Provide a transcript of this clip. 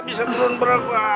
bisa turun berapa